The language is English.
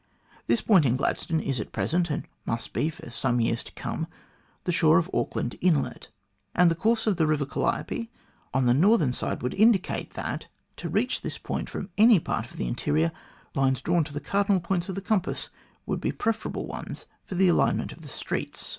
This point in Gladstone is at present, and must be for some years to come, the shore of Auck land Inlet, and the course of the River Calliope on the northern side would indicate that, to reach this from any part of the interior, lines drawn to the cardinal points of the compass would be prefer able ones for the alignment of streets.